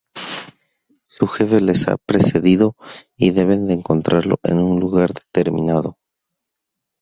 Su jefe les ha precedido y deben encontrarlo en un lugar determinado.